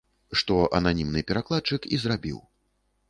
Што ананімны перакладчык і зрабіў.